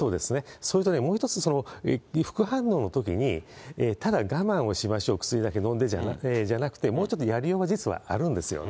それともう一つ、副反応のときにただ我慢をしましょう、薬だけ飲んでじゃなくて、もうちょっとやりようが実はあるんですよね。